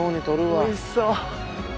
おいしそう！